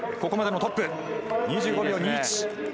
ここまでのトップ２５秒２１。